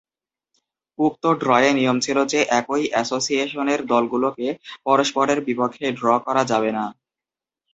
উক্ত ড্রয়ে নিয়ম ছিল যে একই এসোসিয়েশনের দলগুলোকে পরস্পরের বিপক্ষে ড্র করা যাবে না।